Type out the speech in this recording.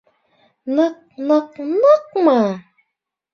Ныҡ-ныҡ-ныҡмы?